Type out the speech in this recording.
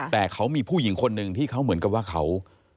แต่เขามีผู้หญิงคนหนึ่งที่เขาเหมือนกับว่าเขา